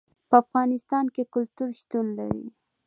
په افغانستان کې کلتور شتون لري.